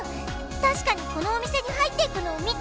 たしかにこのお店に入っていったのを見た！